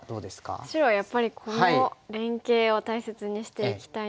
白はやっぱりこの連携を大切にしていきたいので。